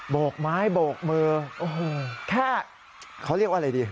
โกกไม้โบกมือโอ้โหแค่เขาเรียกว่าอะไรดี